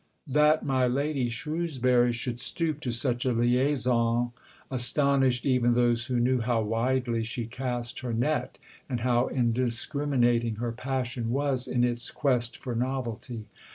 That my Lady Shrewsbury should stoop to such a liaison astonished even those who knew how widely she cast her net, and how indiscriminating her passion was in its quest for novelty.